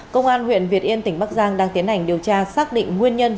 công an huyện việt yên tỉnh bắc giang đang tiến hành điều tra xác định nguyên nhân